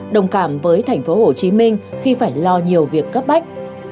đồng cảm với tp hcm khi phải lo nhiều việc